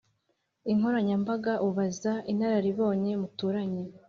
inkoranyambaga, ubaza inararibonye muturanye